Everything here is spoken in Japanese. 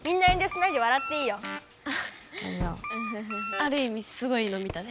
あるいみすごいの見たね。